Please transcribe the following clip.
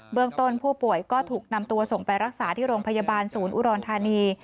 ต้นผู้ป่วยก็ถูกนำตัวส่งไปรักษาที่โรงพยาบาลศูนย์อุดรธานี